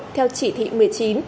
theo chỉ thị một mươi chín